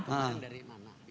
pembelian dari mana